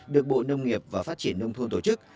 được bộ nông nghiệp và phát triển nông thôn tổ chức